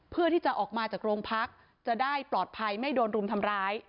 เพื่อที่จะออกมาจากโรงพักจะได้ปลอดภัยไม่โดนรุมทำร้าย